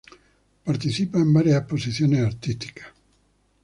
Participa en varias exposiciones artísticas.